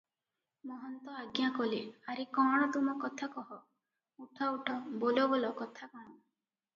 ମହନ୍ତ ଆଜ୍ଞା କଲେ- ଆରେ କଣ ତୁମ କଥା କହ, ଉଠ ଉଠ - ବୋଲ ବୋଲ କଥା କଣ?